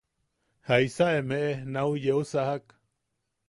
¿Jaisa emeʼe nau yeu sajak?